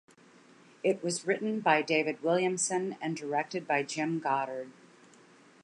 It was written by David Williamson and directed by Jim Goddard.